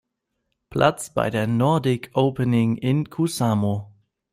Platz bei der Nordic Opening in Kuusamo.